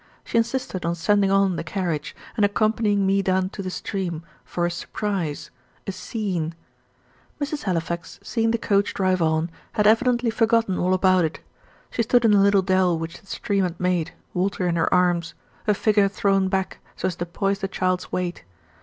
She insisted on sending on the carriage, and accompanying me down to the stream, for a "surprise" a "scene." Mrs. Halifax, seeing the coach drive on, had evidently forgotten all about it. She stood in the little dell which the stream had made, Walter in her arms her figure thrown back, so as to poise the child's weight.